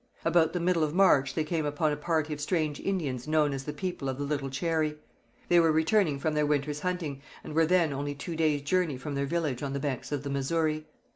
About the middle of March they came upon a party of strange Indians known as the People of the Little Cherry. They were returning from their winter's hunting, and were then only two days' journey from their village on the banks of the Missouri.